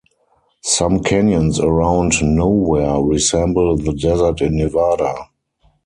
Some canyons around Nowhere resemble the desert in Nevada.